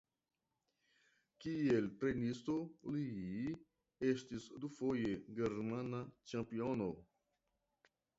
Kiel trejnisto li estis dufoje germana ĉampiono.